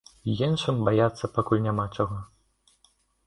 Іншым баяцца пакуль няма чаго.